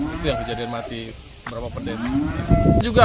itu yang kejadian mati beberapa pendeta